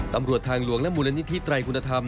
ตำรวจทางหลวงและมูลนิธิไตรคุณธรรม